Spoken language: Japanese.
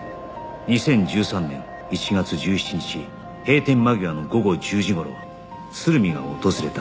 ２０１３年１月１７日閉店間際の午後１０時頃鶴見が訪れた